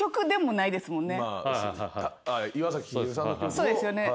そうですよね。